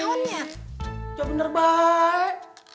eh gak bener baik